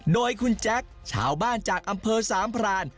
โดยคุณแจ็คชาวบ้านจากอำเภอสามพราน